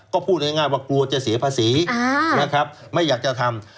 ก็พูดง่ายว่ากลัวจะเสียภาษีนะครับไม่อยากจะทำ